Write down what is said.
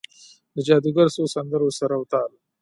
د جادوګرو څو سندرو سر او تال،